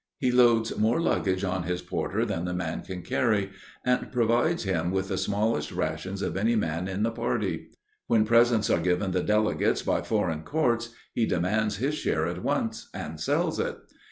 He loads more luggage on his porter than the man can carry, and provides him with the smallest rations of any man in the party. When presents are given the delegates by foreign courts, he demands his share at once, and sells it.